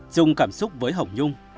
chung cảm xúc với hồng nhung